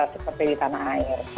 seperti di tanah air